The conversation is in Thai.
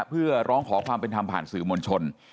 เพื่อร้องขอความเป็นธรรมผ่านสื่อมวลชน